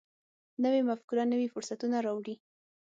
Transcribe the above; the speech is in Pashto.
نوې مفکوره نوي فرصتونه راوړي